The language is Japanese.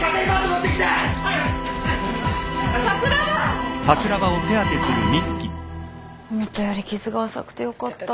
思ったより傷が浅くてよかった。